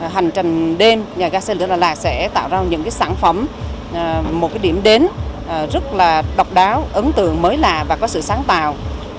hành trình đêm nhà ga xe lửa đà lạt sẽ tạo ra những sản phẩm một điểm đến rất là độc đáo ấn tượng mới lạ và có sự sáng tạo